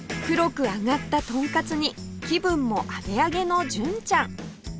黒く揚がったトンカツに気分もアゲアゲの純ちゃん